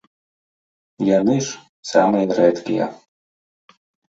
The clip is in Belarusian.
Яны ж самыя рэдкія.